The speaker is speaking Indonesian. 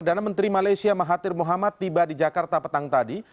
perdana menteri malaysia mahathir muhammad tiba di jakarta petang tadi